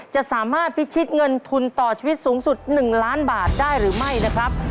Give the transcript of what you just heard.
จะสามารถพิชิตเงินทุนต่อชีวิตสูงสุด๑ล้านบาทได้หรือไม่นะครับ